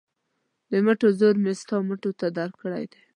د مټو زور مې ستا مټو ته درکړی دی.